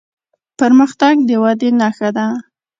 پرمختګ د ودې نښه ده.